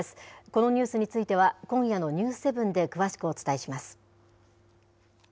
このニュースについては、今夜のニュース７で詳しくお伝えします。